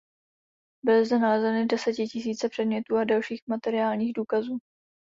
Byly zde nalezeny desetitisíce předmětů a dalších materiálních důkazů.